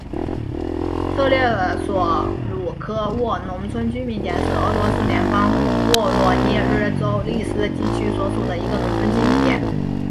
特列索鲁科沃农村居民点是俄罗斯联邦沃罗涅日州利斯基区所属的一个农村居民点。